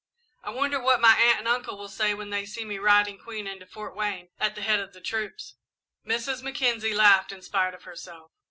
I wonder what my aunt and uncle will say when they see me riding Queen into Fort Wayne at the head of the troops!" Mrs. Mackenzie laughed in spite of herself.